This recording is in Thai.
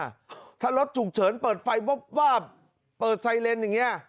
เพราะรถจุกเฉินเปิดไฟว่าเปิดไซเรนด์อย่างเงี้ย